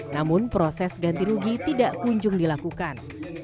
namun proses ganti rugi tidak kunjung dilakukan